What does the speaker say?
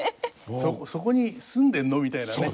「そこに住んでるの？」みたいなね。